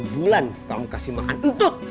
delapan bulan kamu kasih makan untut